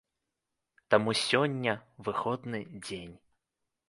Таму сёння выходны дзень.